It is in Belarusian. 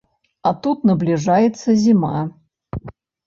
А тут набліжаецца зіма.